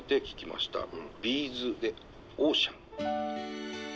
聴きました